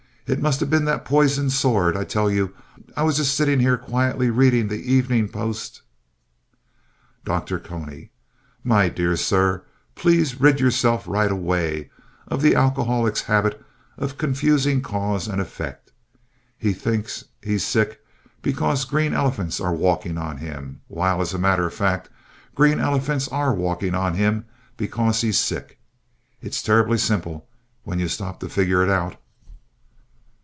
It must have been that poisoned sword. I tell you, I was just sitting here quietly, reading The Evening Post DR. CONY My dear sir, please rid yourself right away of the alcoholic's habit of confusing cause and effect. He thinks he's sick because green elephants are walking on him, while, as a matter of fact, green elephants are walking on him because he's sick. It's terribly simple, when you stop to figure it out.